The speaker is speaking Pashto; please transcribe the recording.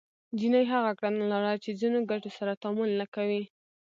جیني هغه کړنلاره چې ځینو ګټو سره تعامل نه کوي